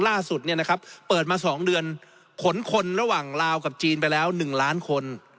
ล่าสุดเปิดมา๒เดือนขนคนระหว่างลาวกับจีนไปแล้ว๑ล้านคน